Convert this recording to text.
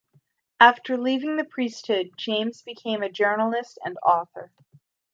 After leaving the priesthood, James became a journalist and author.